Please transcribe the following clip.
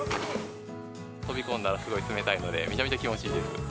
飛び込んだらすごい冷たいので、めちゃめちゃ気持ちいいです。